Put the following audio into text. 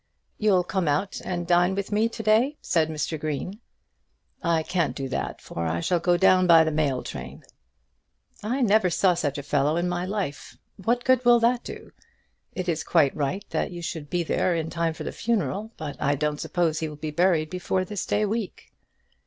"You'll come out and dine with me to day?" said Mr. Green. "I can't do that, for I shall go down by the mail train." "I never saw such a fellow in my life. What good will that do? It is quite right that you should be there in time for the funeral; but I don't suppose he will be buried before this day week."